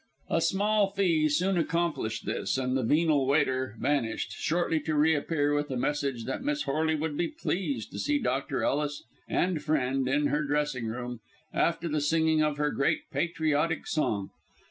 A small fee soon accomplished this, and the venal waiter vanished, shortly to reappear with the message that Miss Horley would be pleased to see Dr. Ellis and friend in her dressing room after the singing of her great patriotic song.